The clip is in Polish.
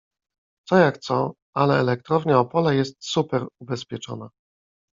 Co jak co, ale elektrownia Opole jest super ubezpieczona.